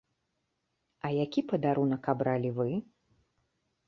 А які падарунак абралі вы?